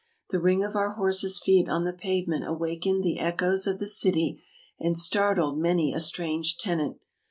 The ring of our horses' feet on the pavement awakened the echoes of the city and startled many a strange tenant.